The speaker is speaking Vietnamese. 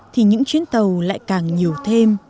thì những chuyến tàu lại càng nhiều thêm